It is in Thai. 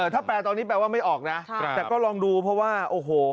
ถ้าแปลตอนนี้แปลว่าไม่ออกนะแต่ก็ลองดูเพราะว่าโอ้โห